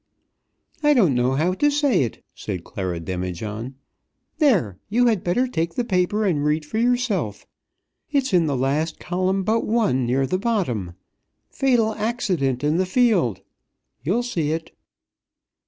"I don't know how to say it," said Clara Demijohn. "There; you had better take the paper and read for yourself. It's in the last column but one near the bottom. 'Fatal Accident in the Field!' You'll see it."